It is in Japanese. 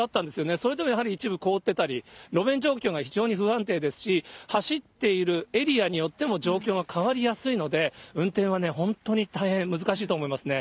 それでもやはり一部凍ってたり、路面状況が非常に不安定ですし、走っているエリアによっても状況が変わりやすいので、運転はね、本当に大変難しいと思いますね。